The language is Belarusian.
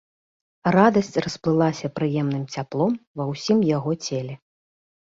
Радасць расплылася прыемным цяплом ва ўсім яго целе.